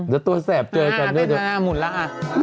เดี๋ยวตัวแสบเจอกันเรื่อยอ่ะหมุนแล้วค่ะ